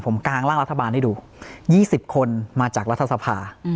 ผมกางร่างรัฐบาลให้ดู๒๐คนมาจากรัฐสภา